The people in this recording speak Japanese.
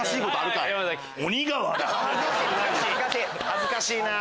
恥ずかしいな。